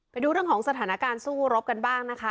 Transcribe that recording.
ไปดูเรื่องของสถานการณ์สู้รบกันบ้างนะคะ